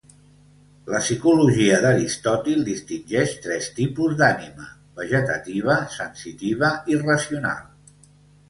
La psicologia d'Aristòtil distingeix tres tipus d'ànima: vegetativa, sensitiva i racional.